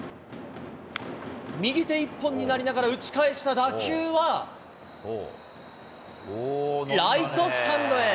右手一本になりながら打ち返した打球は、ライトスタンドへ。